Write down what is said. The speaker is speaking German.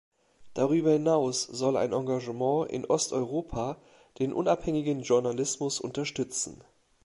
Darüber hinaus soll ein Engagement in Osteuropa den unabhängigen Journalismus unterstützen.